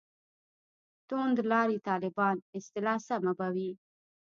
«توندلاري طالبان» اصطلاح سمه به وي.